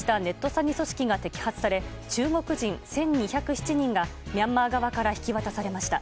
詐欺組織が摘発され、中国人１２０７人がミャンマー側から引き渡されました。